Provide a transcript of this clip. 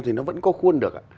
thì nó vẫn có khuôn được